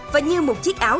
và như một chiếc áo